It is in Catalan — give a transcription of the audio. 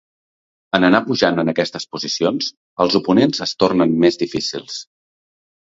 En anar pujant en aquestes posicions, els oponents es tornen més difícils.